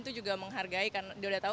itu juga menghargai karena dia udah tahu